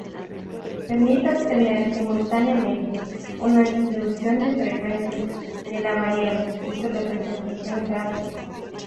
Permite obtener simultáneamente una distribución de frecuencias de la variable y su representación gráfica.